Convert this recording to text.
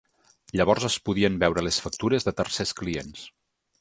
Llavors es podien veure les factures de tercers clients.